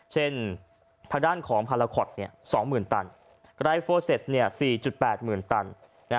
เช่นภาคด้านของพาราคอร์ด๒๐๐๐๐ตันไกรฟอร์เซต๔๘ตัน